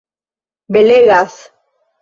belegas